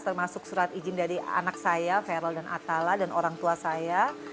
termasuk surat izin dari anak saya verol dan atala dan orang tua saya